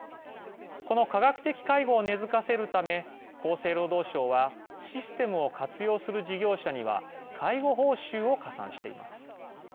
この科学的介護を根づかせるため厚生労働省はシステムを活用する事業者には介護報酬を加算しています。